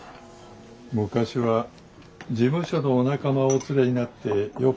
昔は事務所のお仲間をお連れになってよく。